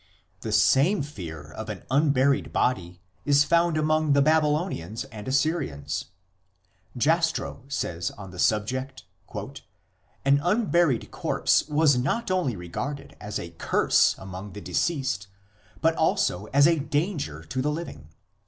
The same fear of an unburied body is found among the Babylonians and Assyrians. Jastrow says on the subject :" An unburied corpse was not only regarded as a curse upon the deceased, but also as a danger to the living.